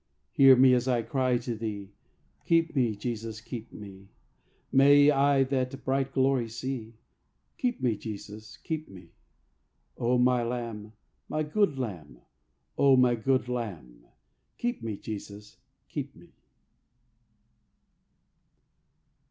Hear me as I cry to Thee; Keep me, Jesus, keep me; May I that bright glory see; Keep me, Jesus, keep me. O my Lamb, my good Lamb, O my good Lamb, Keep me, Jesus, keep me.